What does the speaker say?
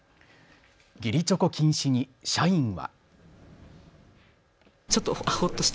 義理チョコ禁止に社員は。